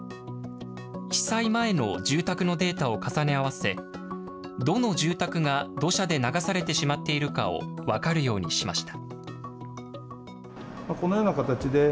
被災前の住宅のデータを重ね合わせ、どの住宅が土砂で流されてしまっているかを分かるようにしました。